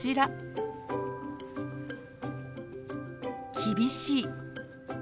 「厳しい」。